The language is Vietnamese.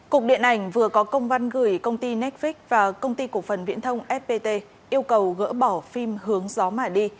cục điện ảnh vừa có công văn gửi công ty netflix và công ty cổ phần viễn thông fpt yêu cầu gỡ bỏ phim hướng gió mà đi